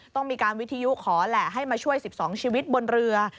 ต้องมีการวิทยุขอแหละให้มาช่วย๑๒ชีวิตบนเรือ